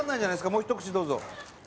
もうひと口どうぞ。